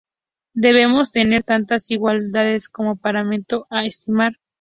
Deberemos tener tantas igualdades como parámetros a estimar.